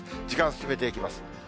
時間進めていきます。